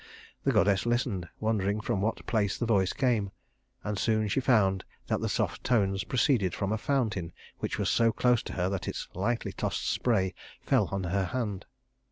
The goddess listened, wondering from what place the voice came; and soon she found that the soft tones proceeded from a fountain which was so close to her that its lightly tossed spray fell on her hand.